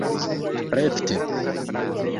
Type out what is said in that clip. rekte